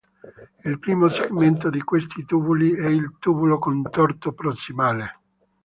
Il primo segmento di questi tubuli è il tubulo contorto prossimale.